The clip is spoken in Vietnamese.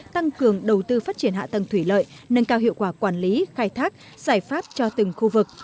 tăng cường đầu tư phát triển hạ tầng thủy lợi nâng cao hiệu quả quản lý khai thác giải pháp cho từng khu vực